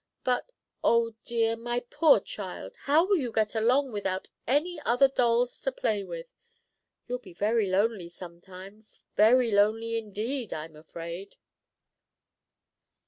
But, oh dear, my poor child, how will you get along without any other dolls to play with? You'll be very lonely sometimes very lonely, indeed I'm afraid."